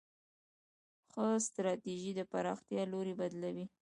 ښه ستراتیژي د پراختیا لوری بدلوي.